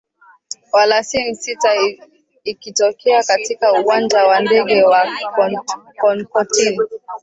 walasim sitas ikitokea katika uwanja wa ndege wa tonkotin